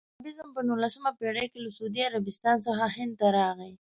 وهابیزم په نولسمه پېړۍ کې له سعودي عربستان څخه هند ته راغی.